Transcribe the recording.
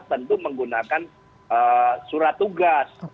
tentu menggunakan surat tugas